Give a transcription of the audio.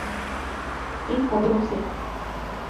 ان خبروں سے؟